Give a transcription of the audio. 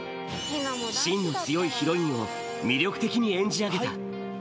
しんの強いヒロインを魅力的に演じ上げた。